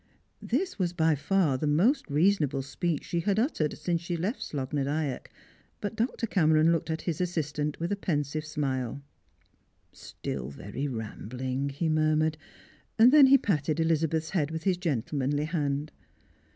This was by far the most reasonable speech she had uttered since she had left Slogh na Dyack, but Dr. Cameron looked at his assistant with a pensive smile. " Still very rambling," he murmured, and then he patted Elizabeth's head with his gentle manly hand.